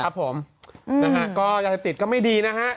ครับผมนะฮะก็ยาเสพติดก็ไม่ดีนะฮะ